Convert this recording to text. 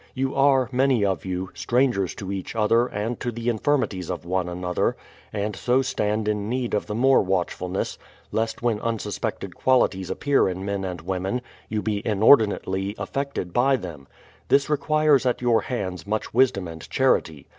You are, many of you, strangers to each other and to the infirmities of one another, and so stand in need of the more watchfulness, lest when unsuspected qualities appear in men and women, you be inordinately affected by them. This requires at j'our hands much wisdom and charity.